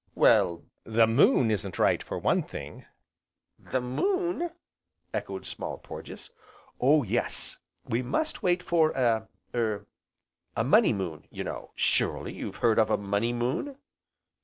"Well, the moon isn't right, for one thing." "The moon!" echoed Small Porges. "Oh yes, we must wait for a er a Money Moon, you know, surely you've heard of a Money Moon?"